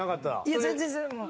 いや全然もう。